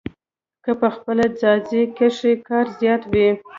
کۀ پۀ پخلي ځائے کښې کار زيات وي